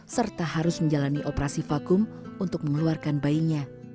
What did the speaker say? serta harus menjalani operasi vakum untuk mengeluarkan bayinya